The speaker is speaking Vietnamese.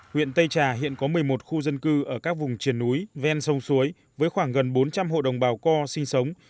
huyện tây trà hiện có một mươi một khu dân cư ở các vùng triển núi ven sông suối với khoảng gần bốn trăm linh hộ đồng bào co sinh sống